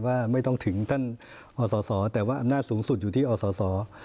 ว่าไม่ต้องถึงท่านอศแต่ว่าอำนาจสูงสุดอยู่ที่อศ